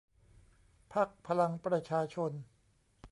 พรรคพลังประชาชน